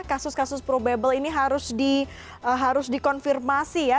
kasus kasus probable ini harus dikonfirmasi ya